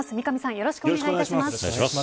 よろしくお願いします。